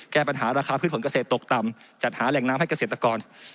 แก้ปัญหาราคาพืชผลเกษตรตกต่ำจัดหาแหล่งน้ำให้เกษตรกร